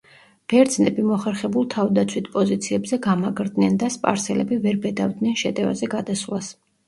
ბერძნები მოხერხებულ თავდაცვით პოზიციებზე გამაგრდნენ და სპარსელები ვერ ბედავდნენ შეტევაზე გადასვლას.